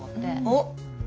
おっ！